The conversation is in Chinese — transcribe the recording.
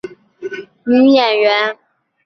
区燕青是一名香港女演员。